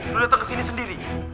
lo dateng kesini sendiri